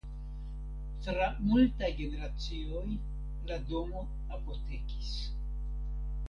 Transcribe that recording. Tra multaj generacioj la domo apotekis.